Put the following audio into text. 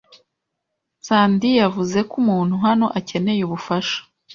Sandy yavuze ko umuntu hano akeneye ubufasha.